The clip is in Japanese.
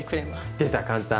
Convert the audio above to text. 出た簡単。